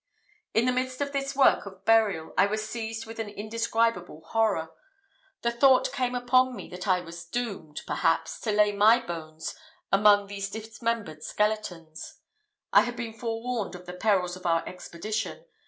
"In the middle of this work of burial, I was seized with an indescribable horror; the thought came upon me that I was doomed, perhaps, to lay my bones among these dismembered skeletons. I had been forewarned of the perils of our expedition.